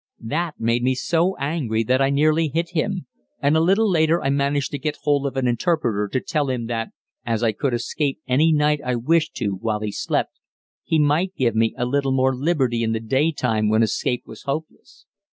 That made me so angry that I nearly hit him, and a little later I managed to get hold of an interpreter to tell him that, as I could escape any night I wished to while he slept, he might give me a little more liberty in the day time when escape was hopeless.